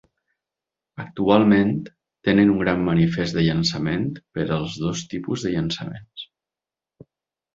Actualment, tenen un gran manifest de llançament per als dos tipus de llançaments.